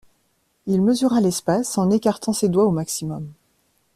Il mesura l'espace en écartant ses doigts au maximum.